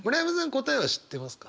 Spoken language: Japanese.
答えは知ってますか？